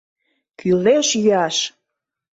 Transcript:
Кӱлеш йӱаш!